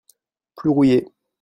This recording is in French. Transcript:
Plus rouillé.